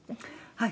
はい。